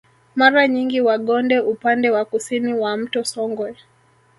Mara nyingi Wagonde upande wa kusini wa mto Songwe